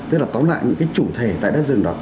tức là tóm lại những cái chủ thể tại đất rừng đó